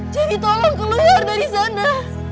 jadi tolong keluar dari sana